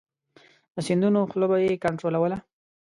د سیندونو خوله به یې کنترولوله.